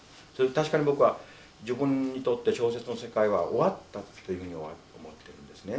確かに僕は自分にとって小説の世界は終わったっていうのは思ってるんですね。